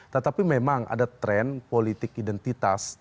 tetapi memang ada tren politik identitas